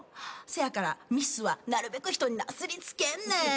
せやからミスはなるべく人になすり付けんねん。